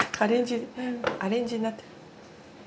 アレンジになってる。